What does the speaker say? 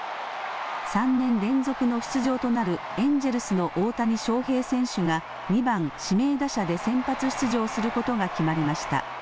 ３年連続の出場となるエンジェルスの大谷翔平選手が２番・指名打者で先発出場することが決まりました。